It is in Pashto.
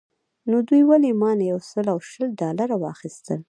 نو دوی ولې مانه یو سل او شل ډالره واخیستل.